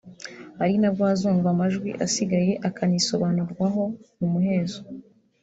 ari nabwo hazumvwa amajwi asigaye akanisobanurwaho mu muhezo